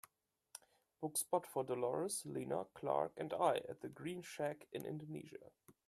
book spot for dolores, leona clark and I at The Green Shack in Indonesia